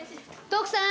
徳さん！